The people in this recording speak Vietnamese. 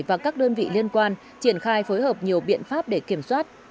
và các đơn vị liên quan triển khai phối hợp nhiều biện pháp để kiểm soát